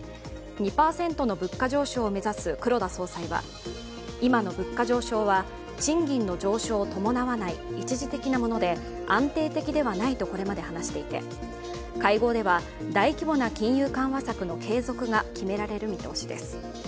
２％の物価上昇を目指す黒田総裁は今の物価上昇は賃金の上昇を伴わない一時的なもので安定的ではないとこれまで話していて会合では、大規模な金融緩和策の継続が決められる見通しです。